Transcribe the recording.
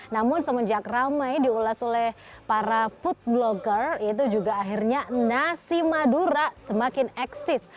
namun semenjak ramai diulas oleh para food blogger itu juga akhirnya nasi madura semakin eksis